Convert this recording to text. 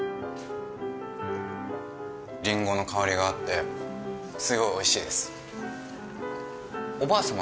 リンゴの香りがあってすごいおいしいですおばあ様